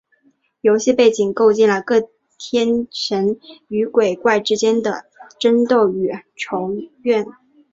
游戏背景构建了各天神与鬼怪之间的争斗与仇怨。